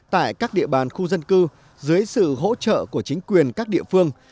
tại các địa bàn khu dân cư dưới sự hỗ trợ của chính quyền các địa phương